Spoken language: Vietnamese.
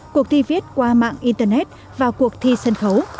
cuộc thi viết qua mạng internet và cuộc thi sân khấu